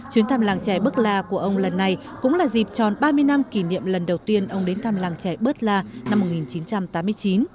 chuyến thăm làng trẻ bơ la của ông lần này cũng là dịp tròn ba mươi năm kỷ niệm lần đầu tiên ông đến thăm làng trẻ bơ la năm một nghìn chín trăm tám mươi chín